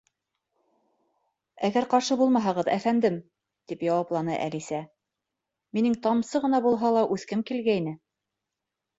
—Әгәр ҡаршы булмаһағыҙ, әфәндем, —тип яуапланы Әлисә, —минең тамсы ғына булһа ла үҫкем килгәйне.